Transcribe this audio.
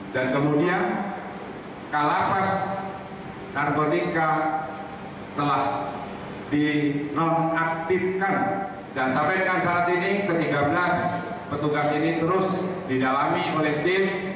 dan kemudian kalapas narkotika telah dinonaktifkan dan sampai saat ini ke tiga belas petugas ini terus didalami oleh tim